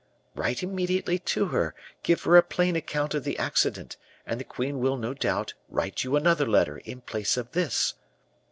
"'Write immediately to her; give her a plain account of the accident, and the queen will no doubt write you another letter in place of this.